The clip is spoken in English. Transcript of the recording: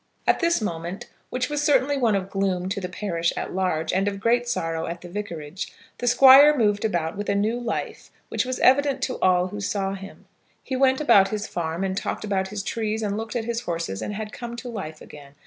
At this moment, which was certainly one of gloom to the parish at large, and of great sorrow at the Vicarage, the Squire moved about with a new life which was evident to all who saw him. He went about his farm, and talked about his trees, and looked at his horses and had come to life again.